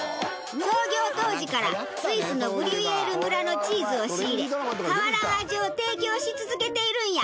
創業当時からスイスのグリュイエール村のチーズを仕入れ変わらぬ味を提供し続けているんや。